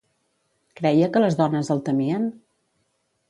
Creia que les dones el temien?